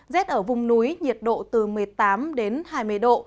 rét ở vùng núi nhiệt độ từ một mươi tám đến hai mươi độ